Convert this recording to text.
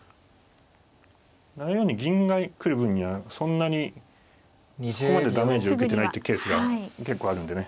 ７四に銀が来る分にはそんなにそこまでダメージを受けてないってケースが結構あるんでね。